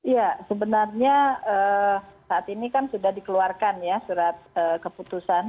ya sebenarnya saat ini kan sudah dikeluarkan ya surat keputusan